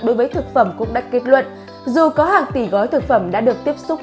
đối với thực phẩm cũng đã kết luận dù có hàng tỷ gói thực phẩm đã được tiếp xúc